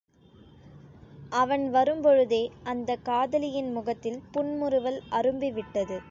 அவன் வரும் பொழுதே அந்தக் காதலியின் முகத்தில் புன்முறுவல் அரும்பிவிட்டது.